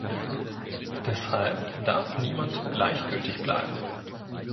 Deshalb darf niemand gleichgültig bleiben.